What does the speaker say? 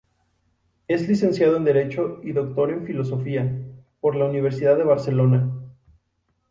Es Licenciado en Derecho y Doctor en Filosofía por la Universidad de Barcelona.